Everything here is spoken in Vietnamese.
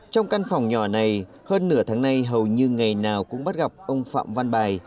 trong căn phòng nhỏ này hơn nửa tháng nay hầu như ngày nào cũng bắt gặp ông phạm văn bài